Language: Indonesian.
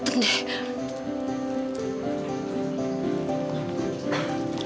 aku udah bangun